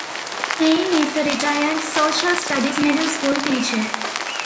Payne is a retired social studies middle school teacher.